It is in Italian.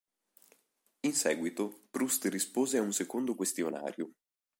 In seguito Proust rispose a un secondo questionario.